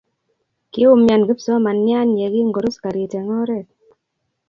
Kiumian kipsomanian ye kingorus karit eng oree.